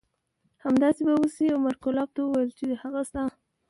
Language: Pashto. همداسې به وشي. عمر کلاب ته وویل چې هغه ستا